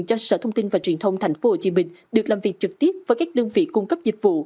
cho sở thông tin và truyền thông tp hcm được làm việc trực tiếp với các đơn vị cung cấp dịch vụ